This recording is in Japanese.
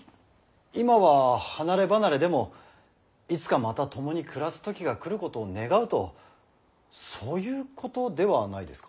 今は離れ離れでもいつかまた共に暮らす時が来ることを願うとそういうことではないですか。